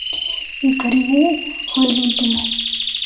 El caribú fue el último.